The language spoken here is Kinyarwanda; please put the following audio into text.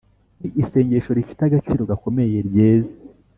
ni isengesho rifite agaciro gakomeye ryeze,